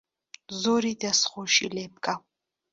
زۆری دەسخۆشی لێ بکە